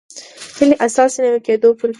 هیلې اساسي نوي کېدو پوره کېږي.